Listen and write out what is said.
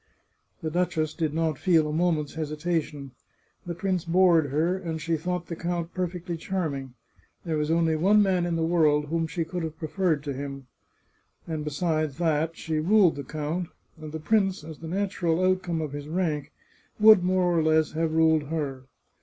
The duchess did not feel a moment's hesitation. The prince bored her, and she thought the count perfectly charm ing. There was only one man in the world whom she could have preferred to him. And besides that, she ruled the count, and the prince, as the natural outcome of his rank, would more or less have ruled her.